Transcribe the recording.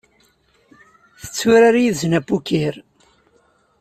Tetturar yid-sen apukir.